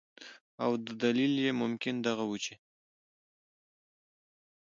او دلیل یې ممکن دغه ؤ چې